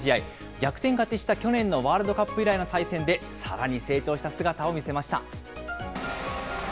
逆転勝ちした去年のワールドカップ以来の再戦でさらに成長した姿を見せました。